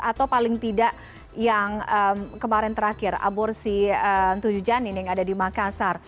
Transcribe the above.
atau paling tidak yang kemarin terakhir aborsi tujuh janin yang ada di makassar